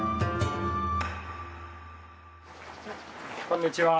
こんにちは！